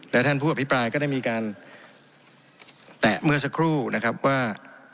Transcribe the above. และท่านผู้อภิปรายได้มีการแตะเมื่อสักครู่นะครับว่า